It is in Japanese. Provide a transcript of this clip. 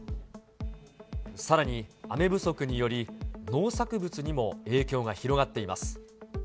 さらに、雨不足により農作物にも影響が広がっています。